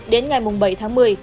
đến ngày bảy tháng một mươi